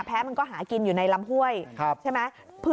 แพ้มันก็หากินอยู่ในลำห้วยใช่ไหม